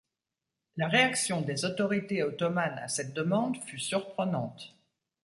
La réaction des autorités ottomanes à cette demande fut surprenante.